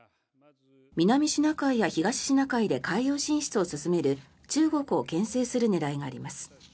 南シナ海や東シナ海で海洋進出を進める中国をけん制する狙いがあります。